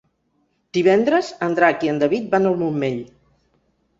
Divendres en Drac i en David van al Montmell.